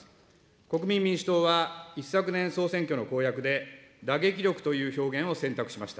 国民民主党は、一昨年、総選挙の公約で、打撃力という表現を選択しました。